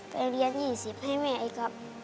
ไปเรียน๒๐ให้แม่ไอ้ครับ